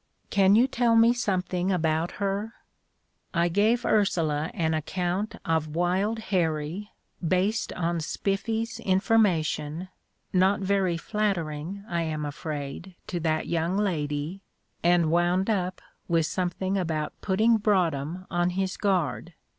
Can you tell me something about her?" I gave Ursula an account of Wild Harrie, based on Spiffy's information, not very flattering, I am afraid, to that young lady, and wound up with something about putting Broadhem on his guard.